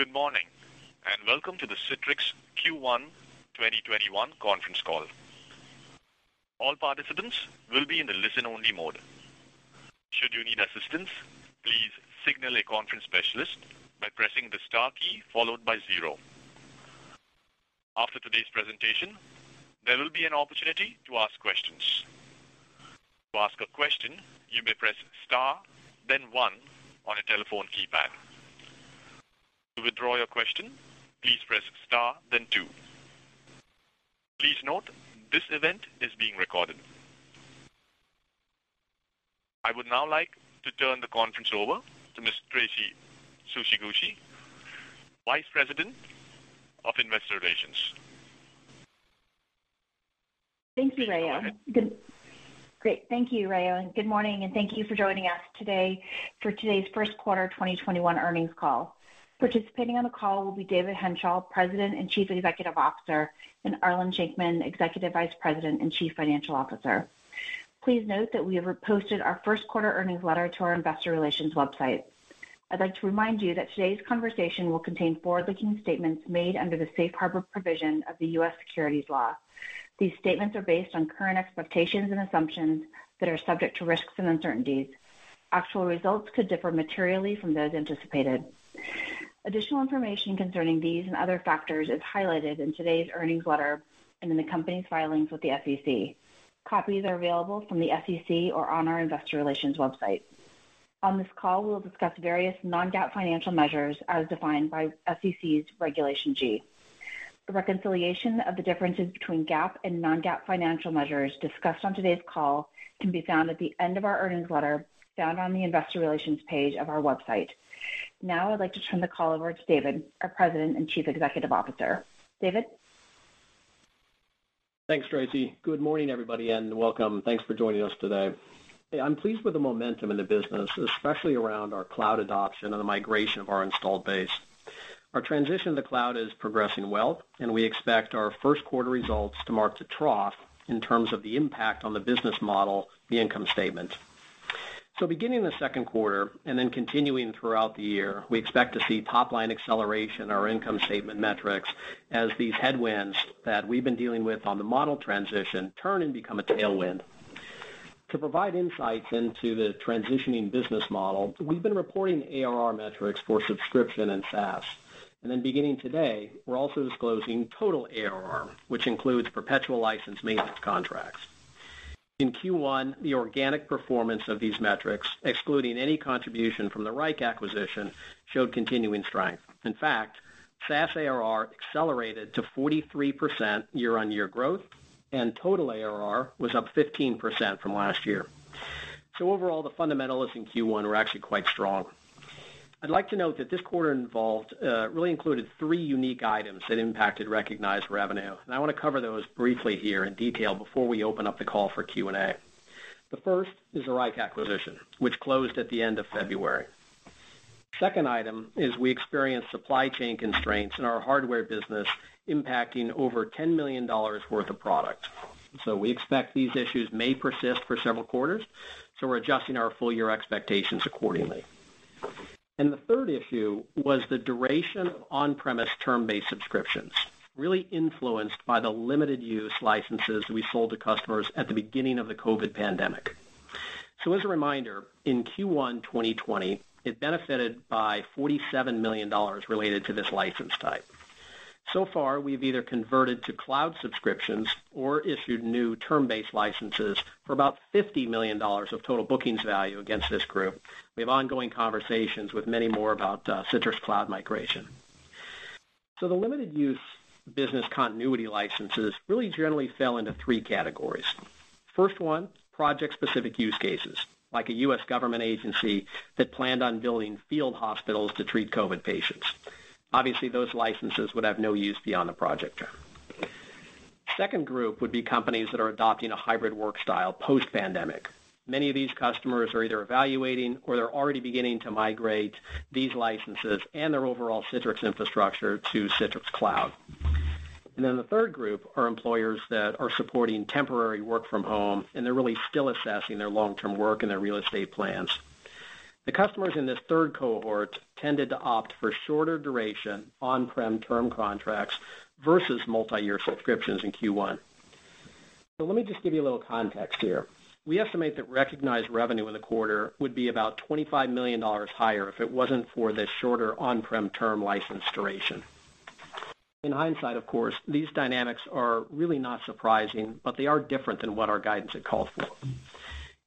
Good morning, and welcome to the Citrix Q1 2021 conference call. All participants will be in the listen-only mode. Should you need assistance, please signal a conference specialist by pressing the star key followed by zero. After today's presentation, there will be an opportunity to ask questions. To ask a question, you may press star then one on a telephone keypad. To withdraw your question, please press star then two. Please note, this event is being recorded. I would now like to turn the conference over to Miss Traci Tsuchiguchi, Vice President of Investor Relations. Thank you, Rayo. Great. Thank you, Rayo. Good morning, and thank you for joining us today for today's first quarter 2021 earnings call. Participating on the call will be David Henshall, President and Chief Executive Officer, and Arlen Shenkman, Executive Vice President and Chief Financial Officer. Please note that we have posted our first quarter earnings letter to our investor relations website. I'd like to remind you that today's conversation will contain forward-looking statements made under the safe harbor provision of the U.S. securities law. These statements are based on current expectations and assumptions that are subject to risks and uncertainties. Actual results could differ materially from those anticipated. Additional information concerning these and other factors is highlighted in today's earnings letter and in the company's filings with the SEC. Copies are available from the SEC or on our investor relations website. On this call, we will discuss various non-GAAP financial measures as defined by SEC's Regulation G. The reconciliation of the differences between GAAP and non-GAAP financial measures discussed on today's call can be found at the end of our earnings letter, found on the investor relations page of our website. Now I'd like to turn the call over to David, our President and Chief Executive Officer. David? Thanks, Traci. Good morning, everybody, welcome. Thanks for joining us today. Hey, I'm pleased with the momentum in the business, especially around our cloud adoption and the migration of our installed base. Our transition to the cloud is progressing well, we expect our first quarter results to mark the trough in terms of the impact on the business model, the income statement. Beginning the second quarter, then continuing throughout the year, we expect to see top-line acceleration on our income statement metrics as these headwinds that we've been dealing with on the model transition turn and become a tailwind. To provide insights into the transitioning business model, we've been reporting ARR metrics for subscription and SaaS. Beginning today, we're also disclosing total ARR, which includes perpetual license maintenance contracts. In Q1, the organic performance of these metrics, excluding any contribution from the Wrike acquisition, showed continuing strength. In fact, SaaS ARR accelerated to 43% year-on-year growth, and total ARR was up 15% from last year. Overall, the fundamentals in Q1 were actually quite strong. I'd like to note that this quarter really included three unique items that impacted recognized revenue, and I want to cover those briefly here in detail before we open up the call for Q&A. The first is the Wrike acquisition, which closed at the end of February. Second item is we experienced supply chain constraints in our hardware business impacting over $10 million worth of product. We expect these issues may persist for several quarters, so we're adjusting our full-year expectations accordingly. The third issue was the duration of on-premise term-based subscriptions, really influenced by the limited use licenses we sold to customers at the beginning of the COVID pandemic. As a reminder, in Q1 2020, it benefited by $47 million related to this license type. Far, we've either converted to cloud subscriptions or issued new term-based licenses for about $50 million of total bookings value against this group. We have ongoing conversations with many more about Citrix Cloud migration. The limited use business continuity licenses really generally fell into three categories. First one, project-specific use cases, like a U.S. government agency that planned on building field hospitals to treat COVID patients. Obviously, those licenses would have no use beyond the project term. Second group would be companies that are adopting a hybrid work style post-pandemic. Many of these customers are either evaluating or they're already beginning to migrate these licenses and their overall Citrix infrastructure to Citrix Cloud. The third group are employers that are supporting temporary work from home, and they're really still assessing their long-term work and their real estate plans. The customers in this third cohort tended to opt for shorter duration on-prem term contracts versus multi-year subscriptions in Q1. Let me just give you a little context here. We estimate that recognized revenue in the quarter would be about $25 million higher if it wasn't for the shorter on-prem term license duration. In hindsight, of course, these dynamics are really not surprising, but they are different than what our guidance had called for.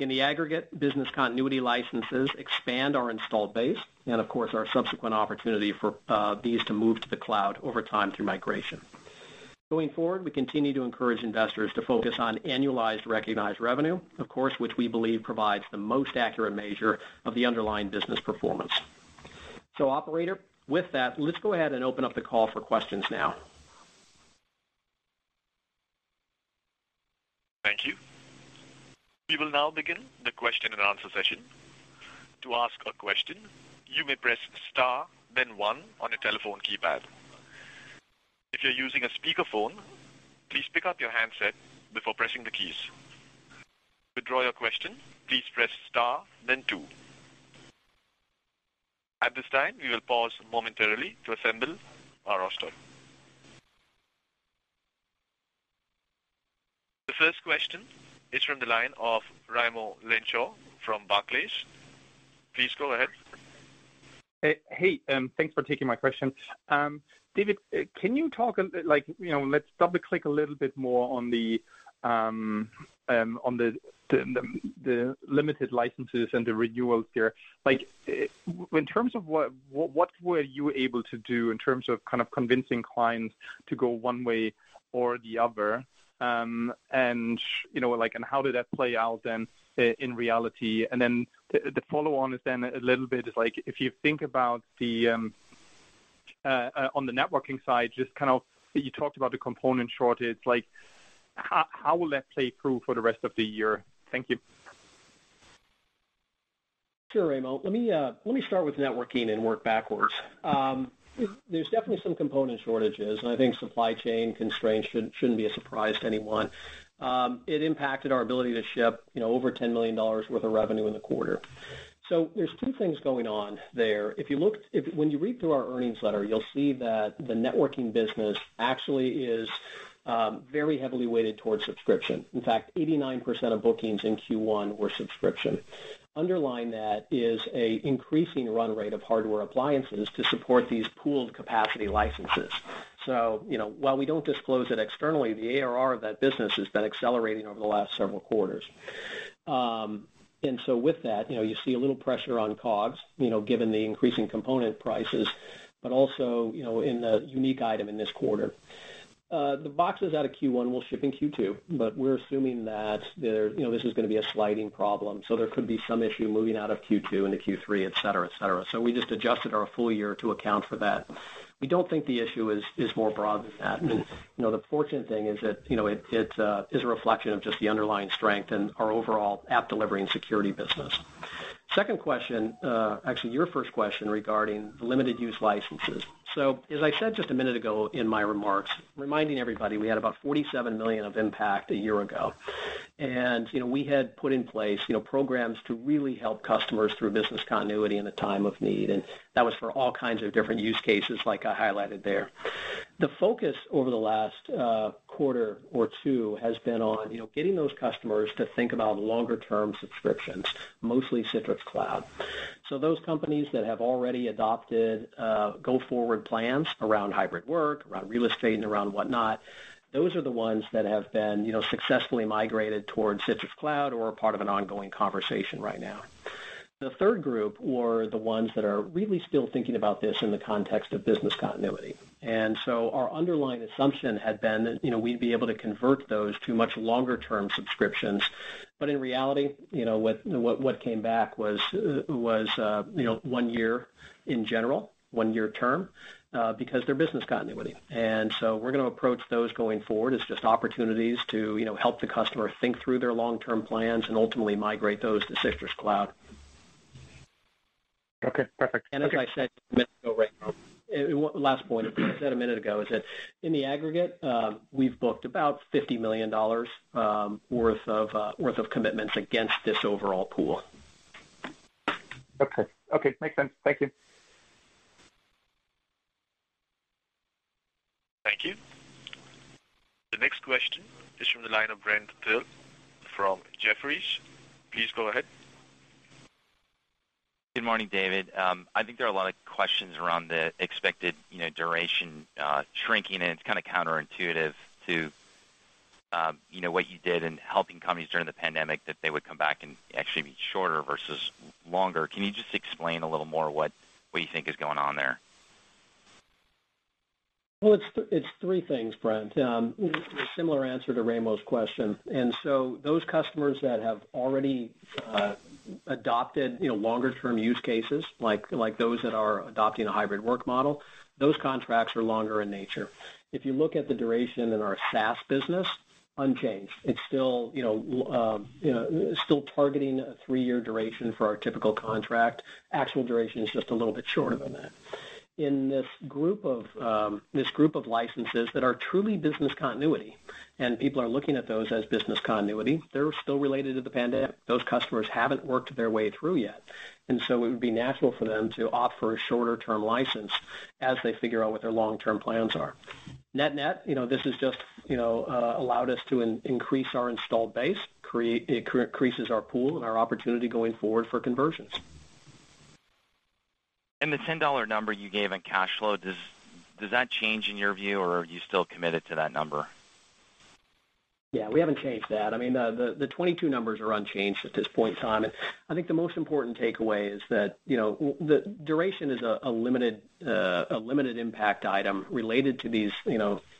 In the aggregate, business continuity licenses expand our installed base, and of course, our subsequent opportunity for these to move to the cloud over time through migration. Going forward, we continue to encourage investors to focus on annualized recognized revenue, of course, which we believe provides the most accurate measure of the underlying business performance. Operator, with that, let's go ahead and open up the call for questions now. Thank you. We will now begin the question-and-answer session. To ask a question, you may press star then one on your telephone keypad. If you're using a speakerphone, please pick up your handset. To withdraw your question, please press star then two. At this time, we will pause momentarily to assemble our roster. The first question is from the line of Raimo Lenschow from Barclays. Please go ahead. Hey, thanks for taking my question. David, let's double-click a little bit more on the limited licenses and the renewals there. In terms of what were you able to do in terms of convincing clients to go one way or the other, and how did that play out then in reality? The follow-on is then a little bit is, if you think about on the networking side, you talked about the component shortage. How will that play through for the rest of the year? Thank you. Sure, Raimo. Let me start with networking and work backwards. There's definitely some component shortages, and I think supply chain constraints shouldn't be a surprise to anyone. It impacted our ability to ship over $10 million worth of revenue in the quarter. There's two things going on there. When you read through our earnings letter, you'll see that the networking business actually is very heavily weighted towards subscription. In fact, 89% of bookings in Q1 were subscription. Underlying that is an increasing run rate of hardware appliances to support these pooled capacity licenses. While we don't disclose it externally, the ARR of that business has been accelerating over the last several quarters. With that, you see a little pressure on COGS, given the increasing component prices, but also in the unique item in this quarter. The boxes out of Q1 will ship in Q2, but we're assuming that this is going to be a sliding problem. There could be some issue moving out of Q2 into Q3, et cetera. We just adjusted our full-year to account for that. We don't think the issue is more broad than that. The fortunate thing is that it is a reflection of just the underlying strength in our overall app delivery and security business. Second question, actually your first question regarding the limited use licenses. As I said just a minute ago in my remarks, reminding everybody, we had about $47 million of impact a year ago. We had put in place programs to really help customers through business continuity in a time of need. That was for all kinds of different use cases like I highlighted there. The focus over the last quarter or two has been on getting those customers to think about longer-term subscriptions, mostly Citrix Cloud. Those companies that have already adopted go-forward plans around hybrid work, around real estate, and around whatnot, those are the ones that have been successfully migrated towards Citrix Cloud or are part of an ongoing conversation right now. The third group were the ones that are really still thinking about this in the context of business continuity. Our underlying assumption had been that we'd be able to convert those to much longer-term subscriptions. In reality, what came back was one year in general, one-year term, because they're business continuity. We're going to approach those going forward as just opportunities to help the customer think through their long-term plans and ultimately migrate those to Citrix Cloud. Okay, perfect. Thank you. As I said a minute ago, Raimo, last point, as I said a minute ago, is that in the aggregate, we've booked about $50 million worth of commitments against this overall pool. Okay. Makes sense. Thank you. Thank you. The next question is from the line of Brent Thill from Jefferies. Please go ahead. Good morning, David. I think there are a lot of questions around the expected duration shrinking, and it's kind of counterintuitive to what you did in helping companies during the pandemic that they would come back and actually be shorter versus longer. Can you just explain a little more what you think is going on there? Well, it's three things, Brent. A similar answer to Raimo's question. Those customers that have already adopted longer-term use cases, like those that are adopting a hybrid work model, those contracts are longer in nature. If you look at the duration in our SaaS business, unchanged. It's still targeting a three-year duration for our typical contract. Actual duration is just a little bit shorter than that. In this group of licenses that are truly business continuity, and people are looking at those as business continuity, they're still related to the pandemic. Those customers haven't worked their way through yet, it would be natural for them to offer a shorter-term license as they figure out what their long-term plans are. Net net, this has just allowed us to increase our installed base. It increases our pool and our opportunity going forward for conversions. The $10 number you gave in cash flow, does that change in your view, or are you still committed to that number? Yeah, we haven't changed that. I mean, the 2022 numbers are unchanged at this point in time. I think the most important takeaway is that the duration is a limited impact item related to these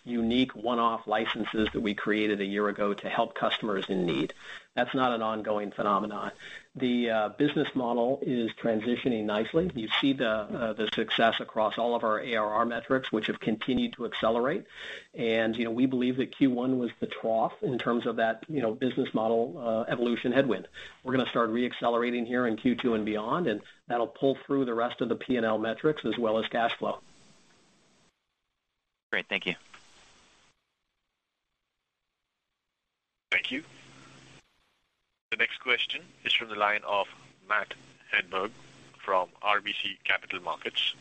unique one-off licenses that we created a year ago to help customers in need. That's not an ongoing phenomenon. The business model is transitioning nicely. You see the success across all of our ARR metrics, which have continued to accelerate. We believe that Q1 was the trough in terms of that business model evolution headwind. We're going to start re-accelerating here in Q2 and beyond, and that'll pull through the rest of the P&L metrics as well as cash flow. Great. Thank you. Thank you. The next question is from the line of Matthew Hedberg from RBC Capital Markets.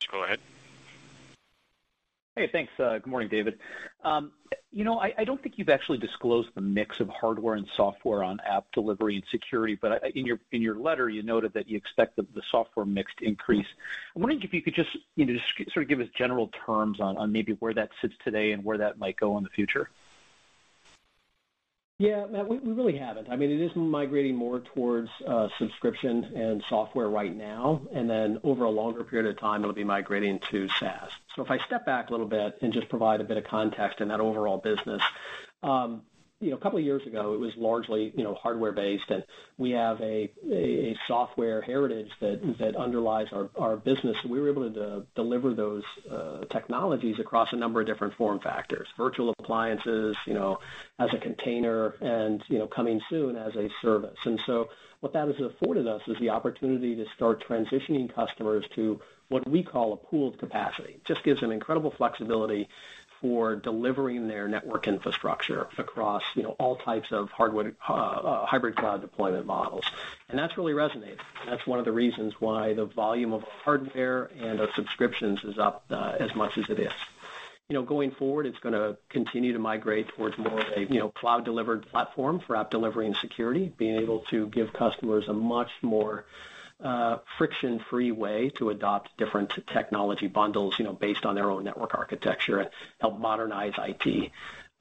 Please go ahead. Hey, thanks. Good morning, David. I don't think you've actually disclosed the mix of hardware and software on app delivery and security, in your letter, you noted that you expect the software mix to increase. I'm wondering if you could just sort of give us general terms on maybe where that sits today and where that might go in the future. Matt, we really haven't. It is migrating more towards subscription and software right now, and then over a longer period of time, it'll be migrating to SaaS. If I step back a little bit and just provide a bit of context in that overall business. A couple of years ago, it was largely hardware-based, and we have a software heritage that underlies our business. We were able to deliver those technologies across a number of different form factors, virtual appliances, as a container and, coming soon as a service. What that has afforded us is the opportunity to start transitioning customers to what we call a pooled capacity. Just gives them incredible flexibility for delivering their network infrastructure across all types of hybrid cloud deployment models. That's really resonated, and that's one of the reasons why the volume of hardware and of subscriptions is up as much as it is. Going forward, it's going to continue to migrate towards more of a cloud-delivered platform for app delivery and security, being able to give customers a much more friction-free way to adopt different technology bundles based on their own network architecture and help modernize IT.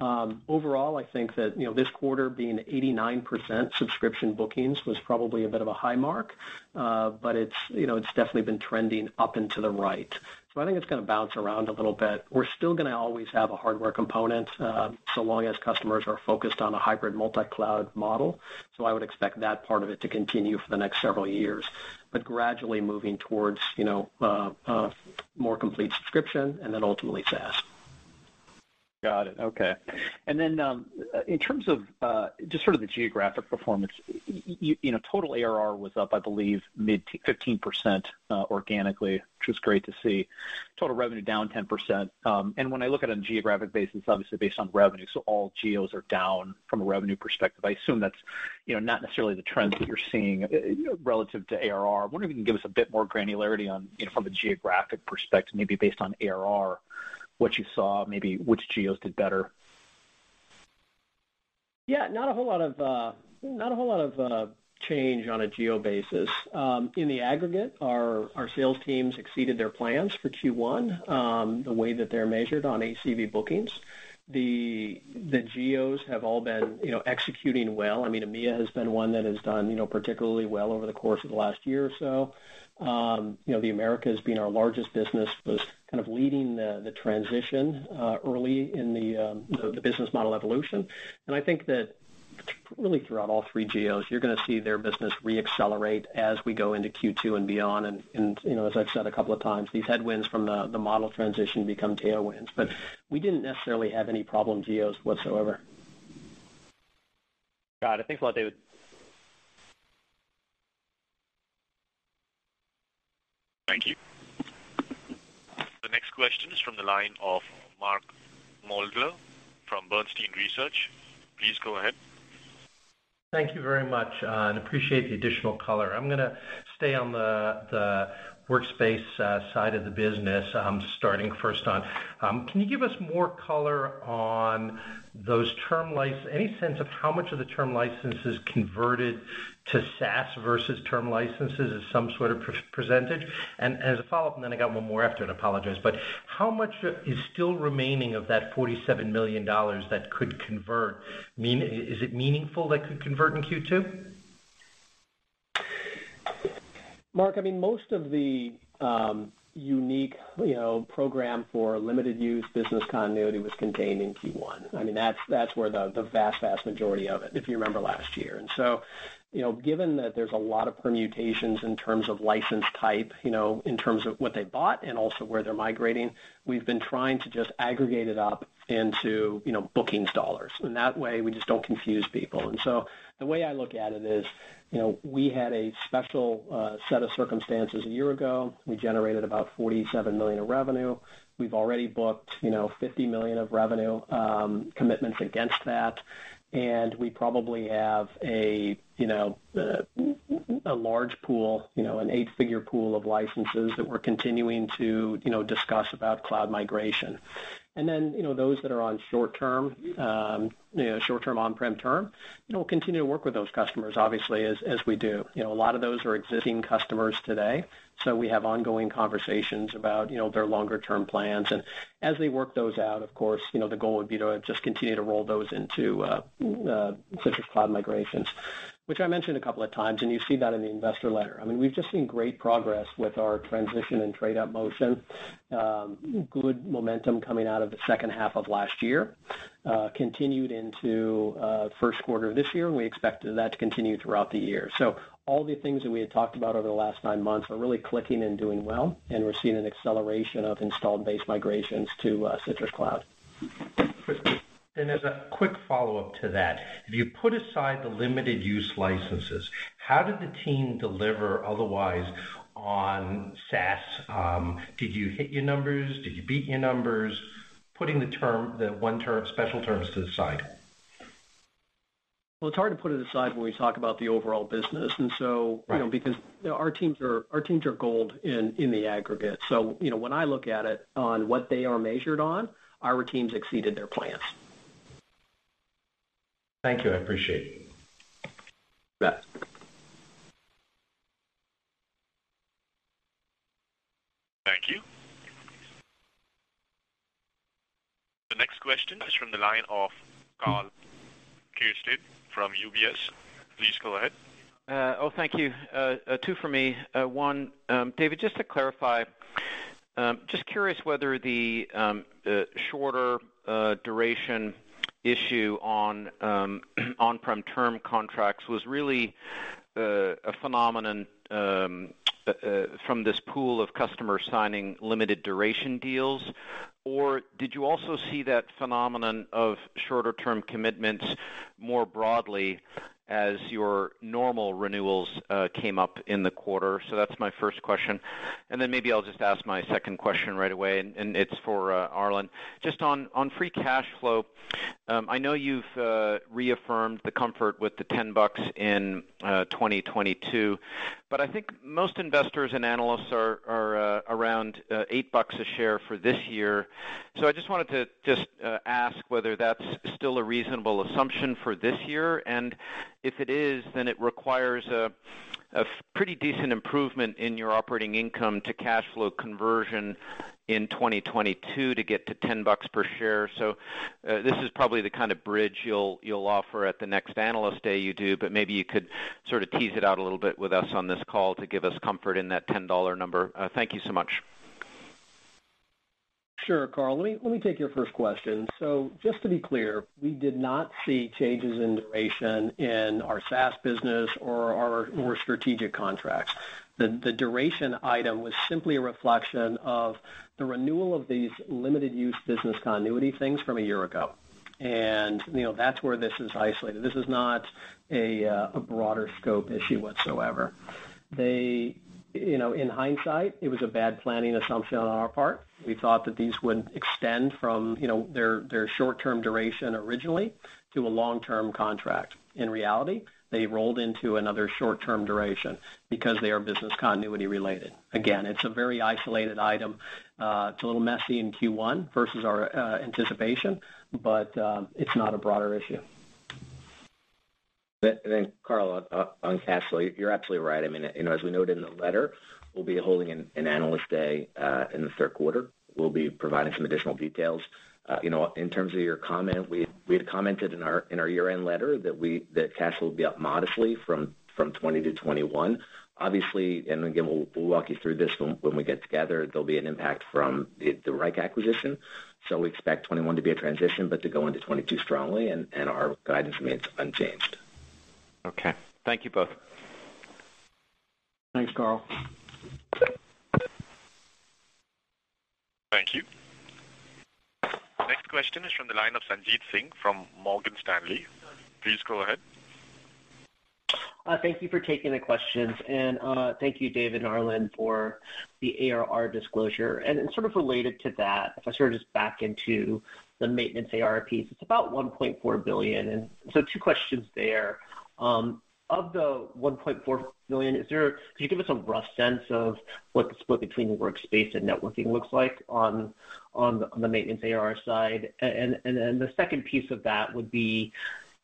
Overall, I think that this quarter being 89% subscription bookings was probably a bit of a high mark. It's definitely been trending up and to the right. I think it's going to bounce around a little bit. We're still going to always have a hardware component, so long as customers are focused on a hybrid multi-cloud model. I would expect that part of it to continue for the next several years, but gradually moving towards a more complete subscription and then ultimately SaaS. Got it. Okay. In terms of just sort of the geographic performance, total ARR was up, I believe, mid 15% organically, which was great to see. Total revenue down 10%. When I look at a geographic basis, obviously based on revenue, all geos are down from a revenue perspective. I assume that's not necessarily the trend that you're seeing relative to ARR. I wonder if you can give us a bit more granularity from a geographic perspective, maybe based on ARR, what you saw, maybe which geos did better. Yeah, not a whole lot of change on a geo basis. In the aggregate, our sales teams exceeded their plans for Q1, the way that they're measured on ACV bookings. The geos have all been executing well. I mean, EMEA has been one that has done particularly well over the course of the last year or so. The Americas being our largest business was kind of leading the transition early in the business model evolution. I think that really throughout all three geos, you're going to see their business re-accelerate as we go into Q2 and beyond, and as I've said a couple of times, these headwinds from the model transition become tailwinds. We didn't necessarily have any problem geos whatsoever. Got it. Thanks a lot, David. Thank you. The next question is from the line of Mark Moerdler from Bernstein Research. Please go ahead. Thank you very much, appreciate the additional color. I'm going to stay on the Workspace side of the business, starting first on, can you give us more color on those term license, any sense of how much of the term licenses converted to SaaS versus term licenses as some sort of percentage? As a follow-up, and then I got one more after it, I apologize, but how much is still remaining of that $47 million that could convert? Is it meaningful that could convert in Q2? Mark, most of the unique program for limited use business continuity was contained in Q1. That's where the vast majority of it, if you remember last year. Given that there's a lot of permutations in terms of license type, in terms of what they bought and also where they're migrating, we've been trying to just aggregate it up into bookings dollars. That way we just don't confuse people. The way I look at it is, we had a special set of circumstances a year ago. We generated about $47 million of revenue. We've already booked $50 million of revenue commitments against that, and we probably have a large pool, an eight-figure pool of licenses that we're continuing to discuss about cloud migration. Then those that are on short-term on-prem term, we'll continue to work with those customers obviously as we do. A lot of those are existing customers today, so we have ongoing conversations about their longer-term plans. As they work those out, of course, the goal would be to just continue to roll those into Citrix Cloud migrations, which I mentioned a couple of times, and you see that in the investor letter. We've just seen great progress with our transition and trade-up motion. Good momentum coming out of the second half of last year, continued into first quarter of this year, and we expected that to continue throughout the year. All the things that we had talked about over the last nine months are really clicking and doing well, and we're seeing an acceleration of installed base migrations to Citrix Cloud. As a quick follow-up to that, if you put aside the limited use licenses, how did the team deliver otherwise on SaaS? Did you hit your numbers? Did you beat your numbers? Putting the one special terms to the side. Well, it's hard to put it aside when we talk about the overall business. Right. Because our teams are goaled in the aggregate. When I look at it on what they are measured on, our teams exceeded their plans. Thank you. I appreciate it. You bet. Thank you. The next question is from the line of Karl Keirstead from UBS. Please go ahead. Thank you. Two from me. One, David, just to clarify, just curious whether the shorter duration issue on on-prem term contracts was really a phenomenon from this pool of customers signing limited duration deals, or did you also see that phenomenon of shorter term commitments more broadly as your normal renewals came up in the quarter? That's my first question, maybe I'll just ask my second question right away, and it's for Arlen. Just on free cash flow. I know you've reaffirmed the comfort with the $10 in 2022. I think most investors and analysts are around $8 a share for this year. I just wanted to just ask whether that's still a reasonable assumption for this year, and if it is, then it requires a pretty decent improvement in your operating income to cash flow conversion in 2022 to get to $10 per share. This is probably the kind of bridge you'll offer at the next Analyst Day you do, but maybe you could sort of tease it out a little bit with us on this call to give us comfort in that $10 number. Thank you so much. Sure, Karl. Let me take your first question. Just to be clear, we did not see changes in duration in our SaaS business or our more strategic contracts. The duration item was simply a reflection of the renewal of these limited use business continuity things from a year ago. That's where this is isolated. This is not a broader scope issue whatsoever. In hindsight, it was a bad planning assumption on our part. We thought that these would extend from their short-term duration originally to a long-term contract. In reality, they rolled into another short-term duration because they are business continuity related. It's a very isolated item. It's a little messy in Q1 versus our anticipation, but it's not a broader issue. Karl, on cash flow, you're absolutely right. As we noted in the letter, we'll be holding an Analyst Day in the third quarter. We'll be providing some additional details. In terms of your comment, we had commented in our year-end letter that cash flow will be up modestly from 2020 to 2021. Obviously, and again, we'll walk you through this when we get together, there'll be an impact from the Wrike acquisition. We expect 2021 to be a transition, but to go into 2022 strongly, and our guidance remains unchanged. Okay. Thank you both. Thanks, Karl. Thank you. Next question is from the line of Sanjit Singh from Morgan Stanley. Please go ahead. Thank you for taking the questions. Thank you, Dave and Arlen, for the ARR disclosure. Sort of related to that, if I sort of just back into the maintenance ARR piece, it's about $1.4 billion, and so two questions there. Of the $1.4 billion, can you give us a rough sense of what the split between the Citrix Workspace and networking looks like on the maintenance ARR side? The second piece of that would be,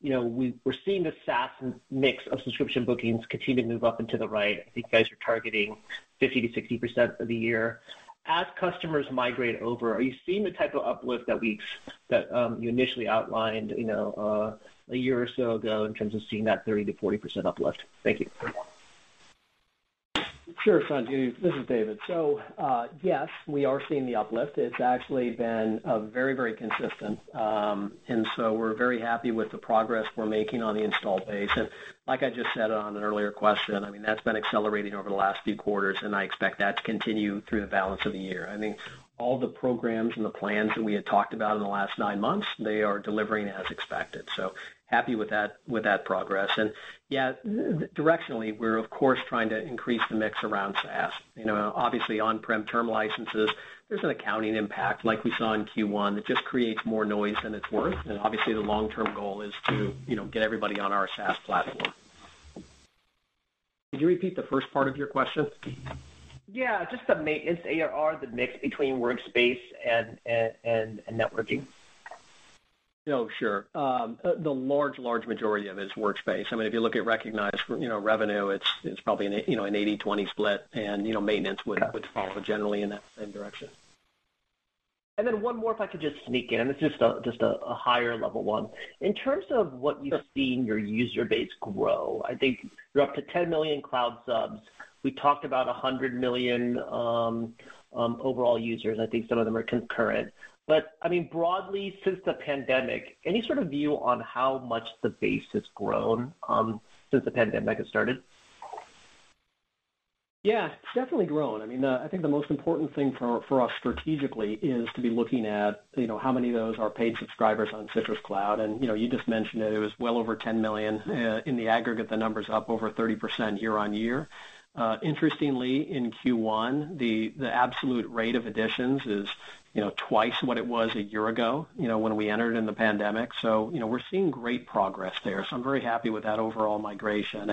we're seeing the SaaS mix of subscription bookings continue to move up and to the right. I think you guys are targeting 50%-60% for the year. As customers migrate over, are you seeing the type of uplift that you initially outlined a year or so ago in terms of seeing that 30%-40% uplift? Thank you. Sure, Sanjit. This is David. Yes, we are seeing the uplift. It's actually been very consistent. We're very happy with the progress we're making on the install base. Like I just said on an earlier question, that's been accelerating over the last few quarters, and I expect that to continue through the balance of the year. I think all the programs and the plans that we had talked about in the last nine months, they are delivering as expected. Happy with that progress. Yeah, directionally, we're of course trying to increase the mix around SaaS. Obviously on-prem term licenses, there's an accounting impact like we saw in Q1 that just creates more noise than it's worth. Obviously the long-term goal is to get everybody on our SaaS platform. Could you repeat the first part of your question? Just the maintenance ARR, the mix between workspace and networking. Oh, sure. The large majority of it is workspace. If you look at recognized revenue, it's probably an 80/20 split. Okay follow generally in that same direction. One more if I could just sneak in, it's just a higher level one. In terms of what you've seen your user base grow, I think you're up to 10 million cloud subs. We talked about 100 million overall users, I think some of them are concurrent. Broadly, since the pandemic, any sort of view on how much the base has grown since the pandemic has started? Yeah, it's definitely grown. I think the most important thing for us strategically is to be looking at how many of those are paid subscribers on Citrix Cloud. You just mentioned that it was well over 10 million. In the aggregate, the number's up over 30% year-over-year. Interestingly, in Q1, the absolute rate of additions is twice what it was a year ago, when we entered in the pandemic. We're seeing great progress there. I'm very happy with that overall migration.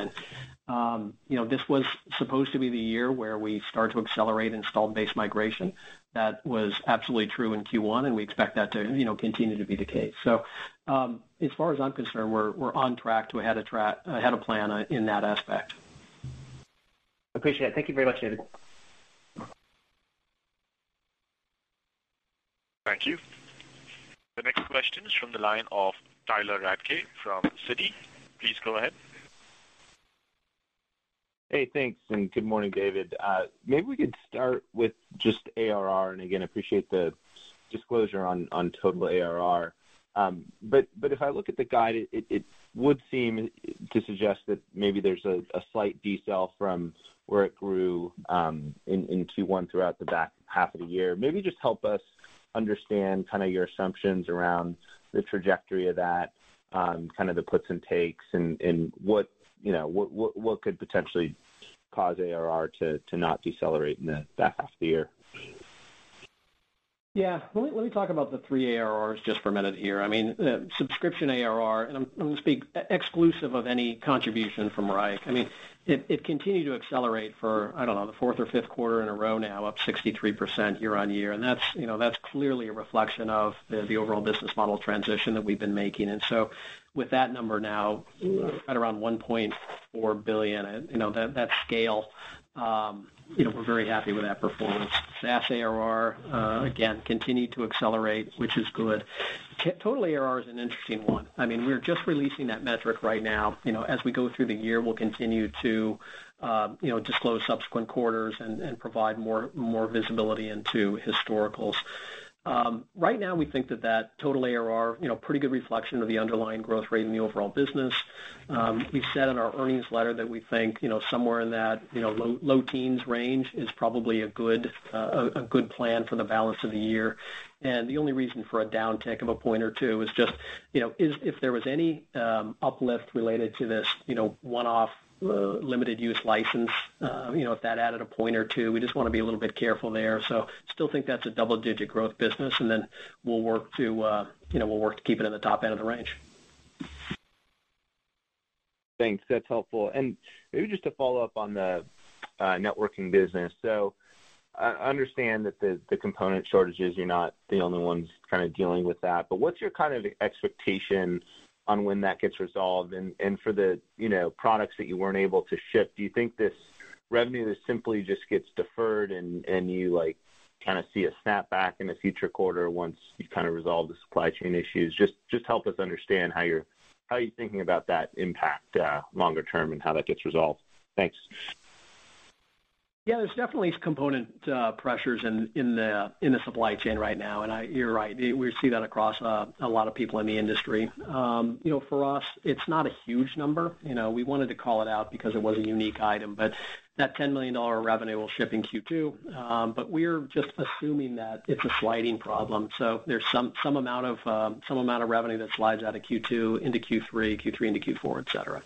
This was supposed to be the year where we start to accelerate installed base migration. That was absolutely true in Q1, and we expect that to continue to be the case. As far as I'm concerned, we're on track to ahead of plan in that aspect. Appreciate it. Thank you very much, David. Thank you. The next question is from the line of Tyler Radke from Citi. Please go ahead. Hey, thanks, and good morning, David. Maybe we could start with just ARR, and again, appreciate the disclosure on total ARR. If I look at the guide, it would seem to suggest that maybe there's a slight decel from where it grew in Q1 throughout the back half of the year. Maybe just help us understand your assumptions around the trajectory of that, the puts and takes, and what could potentially cause ARR to not decelerate in the back half of the year. Yeah. Let me talk about the three ARRs just for a minute here. Subscription ARR, and I'm going to speak exclusive of any contribution from Wrike. It continued to accelerate for, I don't know, the fourth or fifth quarter in a row now, up 63% year-on-year. That's clearly a reflection of the overall business model transition that we've been making. With that number now right around $1.4 billion, that scale, we're very happy with that performance. SaaS ARR, again, continued to accelerate, which is good. Total ARR is an interesting one. We're just releasing that metric right now. As we go through the year, we'll continue to disclose subsequent quarters and provide more visibility into historicals. Right now we think that that total ARR, pretty good reflection of the underlying growth rate in the overall business. We've said in our earnings letter that we think, somewhere in that low teens range is probably a good plan for the balance of the year. The only reason for a downtick of a point or two is just if there was any uplift related to this one-off limited use license, if that added a point or two, we just want to be a little bit careful there. Still think that's a double digit growth business, we'll work to keep it in the top end of the range. Thanks. That's helpful. Maybe just to follow up on the networking business. I understand that the component shortages, you're not the only ones dealing with that. What's your expectation on when that gets resolved, and for the products that you weren't able to ship, do you think this revenue that simply just gets deferred and you see a snap back in a future quarter once you resolve the supply chain issues? Just help us understand how you're thinking about that impact longer term, and how that gets resolved. Thanks. Yeah, there's definitely component pressures in the supply chain right now, and you're right. We see that across a lot of people in the industry. For us, it's not a huge number. We wanted to call it out because it was a unique item. That $10 million revenue will ship in Q2. We're just assuming that it's a sliding problem. There's some amount of revenue that slides out of Q2 into Q3 into Q4, et cetera.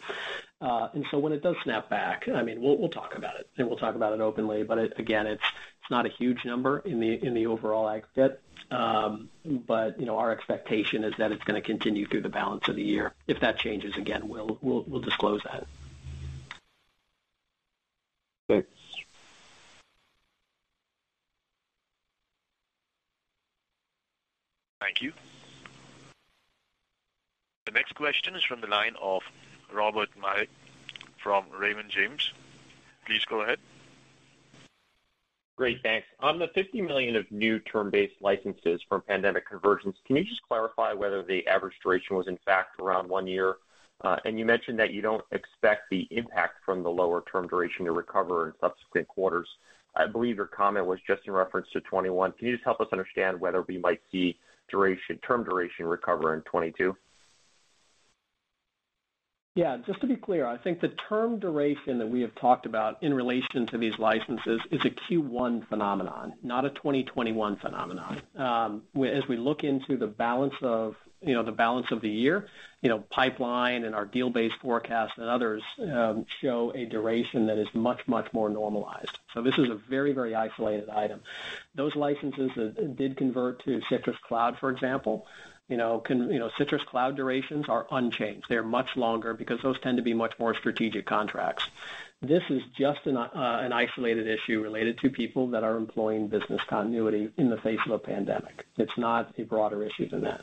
When it does snap back, we'll talk about it, and we'll talk about it openly. Again, it's not a huge number in the overall aggregate. Our expectation is that it's going to continue through the balance of the year. If that changes again, we'll disclose that. Thanks. Thank you. The next question is from the line of Robert Majek from Raymond James. Please go ahead. Great, thanks. On the $50 million of new term-based licenses from pandemic conversions, can you just clarify whether the average duration was in fact around one year? You mentioned that you don't expect the impact from the lower term duration to recover in subsequent quarters. I believe your comment was just in reference to 2021. Can you just help us understand whether we might see term duration recover in 2022? Just to be clear, I think the term duration that we have talked about in relation to these licenses is a Q1 phenomenon, not a 2021 phenomenon. As we look into the balance of the year, pipeline and our deal-based forecast and others show a duration that is much, much more normalized. This is a very, very isolated item. Those licenses that did convert to Citrix Cloud, for example. Citrix Cloud durations are unchanged. They're much longer because those tend to be much more strategic contracts. This is just an isolated issue related to people that are employing business continuity in the face of a pandemic. It's not a broader issue than that.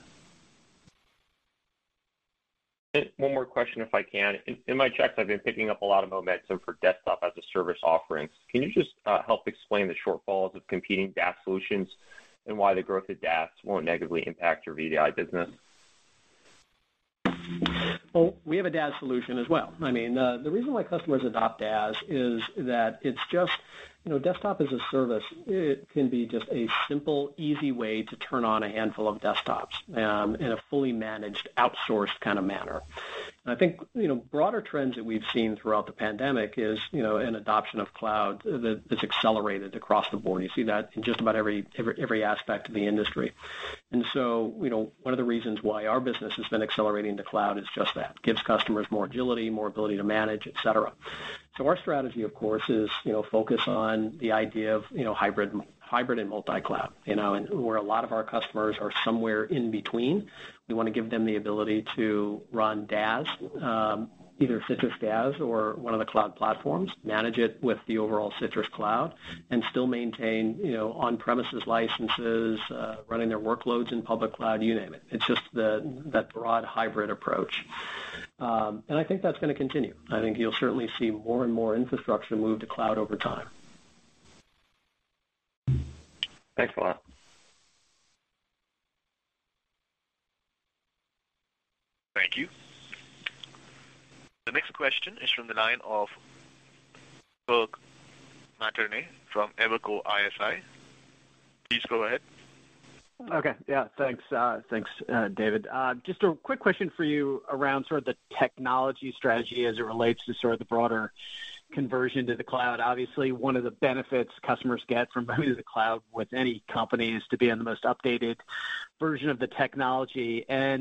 One more question, if I can. In my checks, I've been picking up a lot of momentum for Desktop as a Service offerings. Can you just help explain the shortfalls of competing DaaS solutions, and why the growth of DaaS won't negatively impact your VDI business? Well, we have a DaaS solution as well. The reason why customers adopt DaaS is that it's just Desktop as a Service, it can be just a simple, easy way to turn on a handful of desktops in a fully managed, outsourced manner. I think, broader trends that we've seen throughout the pandemic is an adoption of cloud that's accelerated across the board. You see that in just about every aspect of the industry. One of the reasons why our business has been accelerating to cloud is just that. Gives customers more agility, more ability to manage, et cetera. Our strategy of course is focus on the idea of hybrid and multi-cloud. Where a lot of our customers are somewhere in between, we want to give them the ability to run DaaS, either Citrix DaaS or one of the cloud platforms, manage it with the overall Citrix Cloud, and still maintain on-premises licenses, running their workloads in public cloud, you name it. It's just that broad hybrid approach. I think that's going to continue. I think you'll certainly see more and more infrastructure move to cloud over time. Thanks a lot. Thank you. The next question is from the line of Kirk Materne from Evercore ISI. Please go ahead. Okay. Yeah. Thanks, David. Just a quick question for you around sort of the technology strategy as it relates to sort of the broader conversion to the cloud. Obviously, one of the benefits customers get from moving to the cloud with any company is to be on the most updated version of the technology. I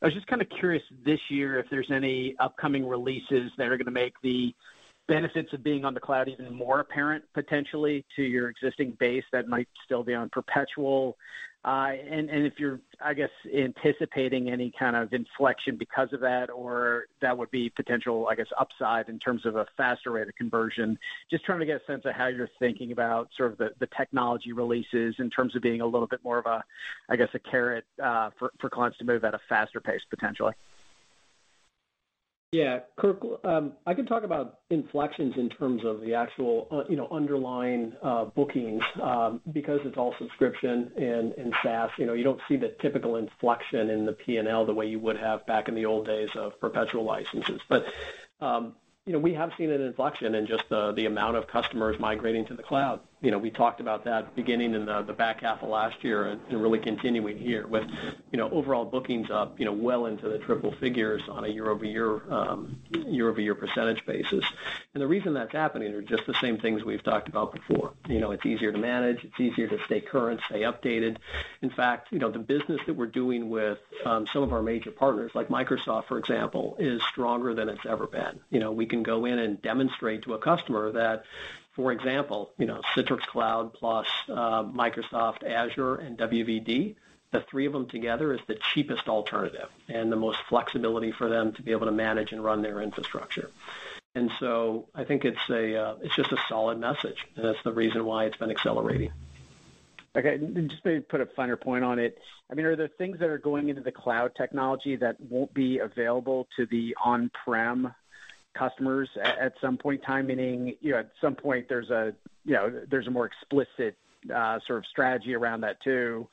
was just kind of curious this year if there's any upcoming releases that are going to make the benefits of being on the cloud even more apparent, potentially, to your existing base that might still be on perpetual. If you're, I guess, anticipating any kind of inflection because of that, or that would be potential, I guess, upside in terms of a faster rate of conversion. Just trying to get a sense of how you're thinking about sort of the technology releases in terms of being a little bit more of a, I guess, a carrot for clients to move at a faster pace, potentially. Kirk, I can talk about inflections in terms of the actual underlying bookings, because it's all subscription and SaaS. You don't see the typical inflection in the P&L the way you would have back in the old days of perpetual licenses. We have seen an inflection in just the amount of customers migrating to the cloud. We talked about that beginning in the back half of last year and really continuing here with overall bookings up well into the triple figures on a year-over-year percentage basis. The reason that's happening are just the same things we've talked about before. It's easier to manage. It's easier to stay current, stay updated. In fact, the business that we're doing with some of our major partners like Microsoft, for example, is stronger than it's ever been. We can go in and demonstrate to a customer that, for example, Citrix Cloud plus Microsoft Azure and WVD, the three of them together is the cheapest alternative and the most flexibility for them to be able to manage and run their infrastructure. I think it's just a solid message, and that's the reason why it's been accelerating. Okay, just maybe put a finer point on it. Are there things that are going into the cloud technology that won't be available to the on-prem customers at some point in time, meaning at some point there's a more explicit sort of strategy around that too?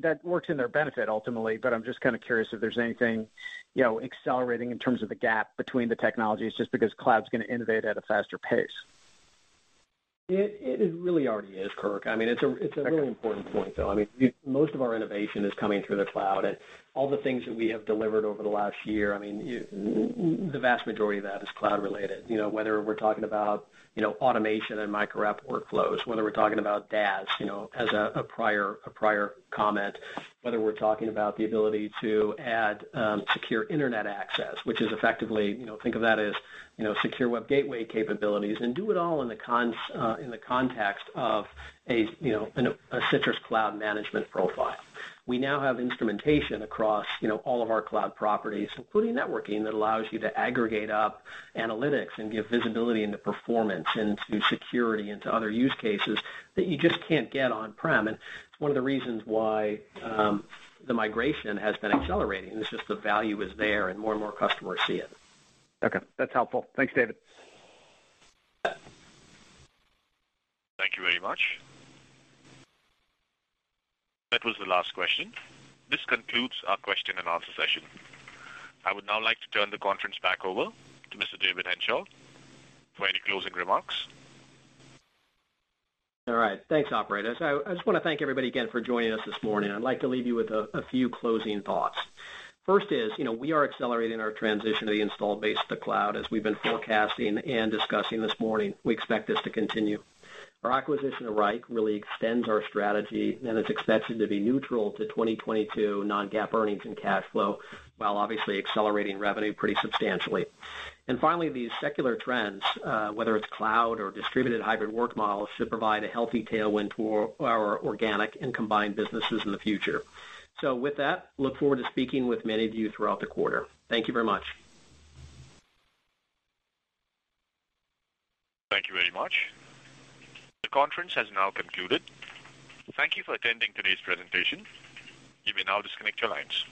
That works in their benefit ultimately, but I'm just kind of curious if there's anything accelerating in terms of the gap between the technologies, just because cloud's going to innovate at a faster pace. It really already is, Kirk. It's a really important point, though. Most of our innovation is coming through the cloud, and all the things that we have delivered over the last year, the vast majority of that is cloud related. Whether we're talking about automation and micro-app workflows, whether we're talking about DaaS as a prior comment, whether we're talking about the ability to add Secure Internet Access, which is effectively, think of that as secure web gateway capabilities, and do it all in the context of a Citrix Cloud management profile. We now have instrumentation across all of our cloud properties, including networking that allows you to aggregate up analytics and give visibility into performance, into security, into other use cases that you just can't get on-prem. It's one of the reasons why the migration has been accelerating. It's just the value is there and more and more customers see it. Okay. That's helpful. Thanks, David. Thank you very much. That was the last question. This concludes our question-and-answer session. I would now like to turn the conference back over to Mr. David Henshall for any closing remarks. All right. Thanks, operator. I just want to thank everybody again for joining us this morning. I'd like to leave you with a few closing thoughts. First is, we are accelerating our transition of the installed base to the cloud as we've been forecasting and discussing this morning. We expect this to continue. Our acquisition of Wrike really extends our strategy, and it's expected to be neutral to 2022 non-GAAP earnings and cash flow, while obviously accelerating revenue pretty substantially. Finally, these secular trends, whether it's cloud or distributed hybrid work models, should provide a healthy tailwind for our organic and combined businesses in the future. With that, look forward to speaking with many of you throughout the quarter. Thank you very much. Thank you very much. The conference has now concluded. Thank you for attending today's presentation. You may now disconnect your lines.